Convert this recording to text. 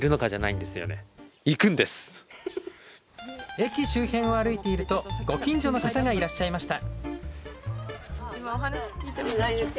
駅周辺を歩いているとご近所の方がいらっしゃいました。